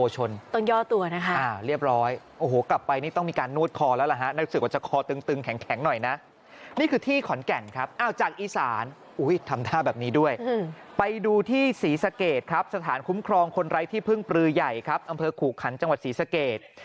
สีสะเกียจสถานคุ้มครองคนไร้ที่พึ่งปรือใหญ่อคูกคันศ์สีสะเกียจ